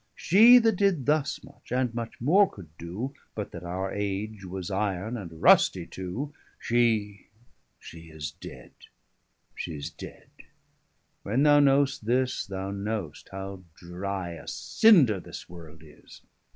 She that did thus much, and much more could doe, 425 But that our age was Iron, and rustie too, Shee, shee is dead; shee's dead; when thou knowst this, Thou knowst how drie a Cinder this world is.